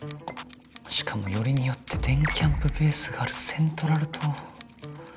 しかもよりによって電キャんぷベースがあるセントラル島。